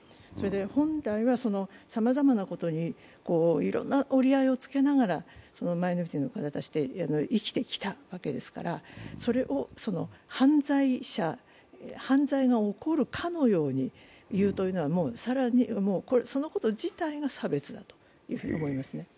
本体がさまざまなことにいろんな折り合いをつけながらマイノリティーの方たちと生きてきたわけですから、それを犯罪が起こるかのように言うのはもう、そのこと自体が差別だと思います。